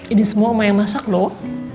ini semua oma yang masak loh